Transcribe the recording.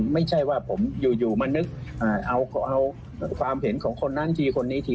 ไม่ใช่ว่าผมอยู่มานึกเอาความเห็นของคนนั้นทีคนนี้ที